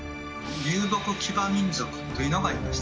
遊牧騎馬民族というのがいましたね。